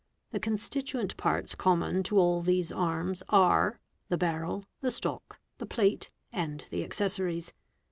The constituent parts common to all these arms are: the ~ barrel, the stock, the plate, and the accessories.